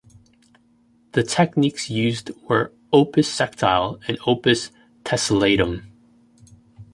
The techniques used were opus sectile and opus tessellatum.